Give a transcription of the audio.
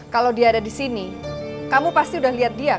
kalau dia ada di sini kamu pasti udah lihat dia